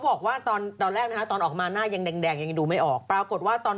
เปลี่ยนส่งผมนี้เดี๋ยวก่อน